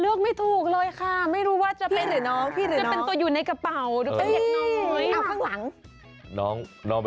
เลือกไม่ถูกเลยค่ะไม่รู้ว่าจะไปหรือน้อง